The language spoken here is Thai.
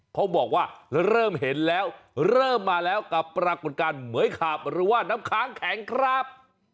เขาบอกว่าเริ่มเห็นแล้วเริ่มมาแล้วกับปรากฏการณ์เหมือยขาบหรือว่าน้ำค้างแข็งครับ